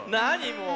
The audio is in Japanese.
もう。